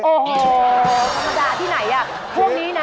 ธรรมดาที่ไหนพวกนี้นะ